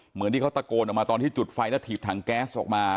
เหมือนที่เขาตะโกนออกมาตอนที่จุดไฟแล้วถีบถังแก๊สออกมา